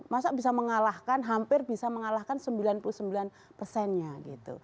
masa bisa mengalahkan hampir bisa mengalahkan sembilan puluh sembilan persennya gitu